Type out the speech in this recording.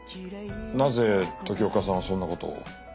なぜ時岡さんはそんな事を？